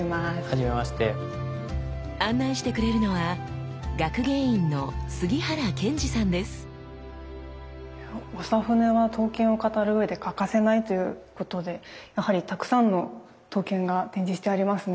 案内してくれるのは長船は刀剣を語るうえで欠かせないということでやはりたくさんの刀剣が展示してありますね。